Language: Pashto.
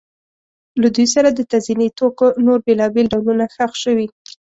له دوی سره د تزیني توکو نور بېلابېل ډولونه ښخ شوي